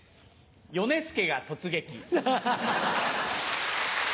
米助が突撃。